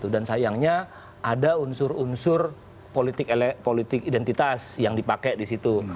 dan sayangnya ada unsur unsur politik identitas yang dipakai disitu